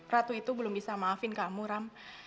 ratu itu belum bisa maafin kamu ram